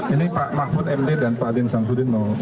ini pak mahfud md dan pak dien sam sudin mau